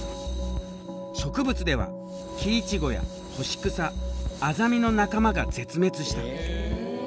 植物ではキイチゴやホシクサアザミの仲間が絶滅した。